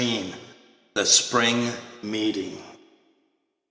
THE SPRING MEETING.